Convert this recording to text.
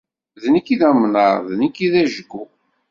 D nekk i d amnaṛ, d nekk i d ajgu.